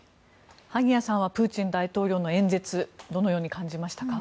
萩谷さんはプーチン大統領の演説どのように感じましたか？